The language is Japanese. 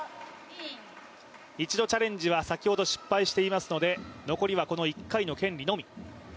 一度チャレンジは先ほど失敗していますので残りは、この１回の権利のみ。